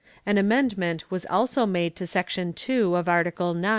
An amendment was also made to section 2 of Article IX.